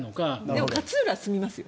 でも勝浦は済みますよ。